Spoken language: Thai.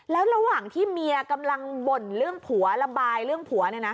แล้วระหว่างที่เมียกำลังบ่นเรื่องผัวระบายเรื่องผัวเนี่ยนะ